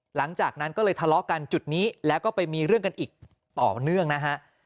หลังจากนั้นก็เลยทะเลาะกันจุดนี้แล้วก็ไปมีเรื่องกันอีกต่อเนื่องนะฮะ